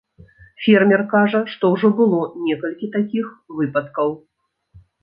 Фермер кажа, што ўжо было некалькі такіх выпадкаў.